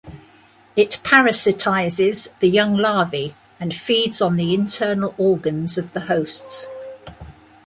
It parasitizes the young larvae and feeds on the internal organs of the hosts.